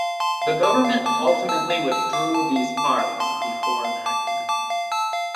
The government ultimately withdrew these parts before enactment.